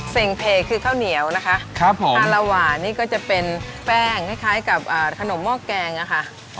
เพคือข้าวเหนียวนะคะผมอารวานี่ก็จะเป็นแป้งคล้ายกับขนมหม้อแกงอะค่ะ